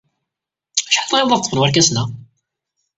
Acḥal tɣileḍ ad ṭṭfen warkasen-a?